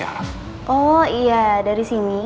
oh iya dari sini